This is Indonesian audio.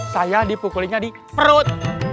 saya dipukulinnya di perut